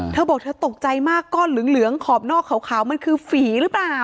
เธอบอกเธอตกใจมากก้อนเหลืองขอบนอกขาวมันคือฝีหรือเปล่า